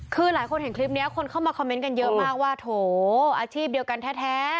คือหลายคนเห็นคลิปนี้คนเข้ามาคอมเมนต์กันเยอะมากว่าโถอาชีพเดียวกันแท้